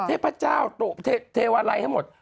เทพเจ้าร์โทษเทวลายทั้งหมด